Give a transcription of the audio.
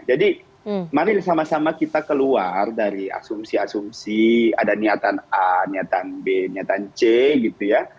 jadi mari sama sama kita keluar dari asumsi asumsi ada niatan a niatan b niatan c gitu ya